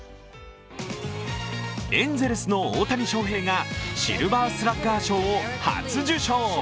エンゼルスの大谷翔平がシルバースラッガー賞を初受賞。